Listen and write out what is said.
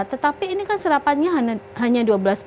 tetapi ini kan serapannya hanya dua belas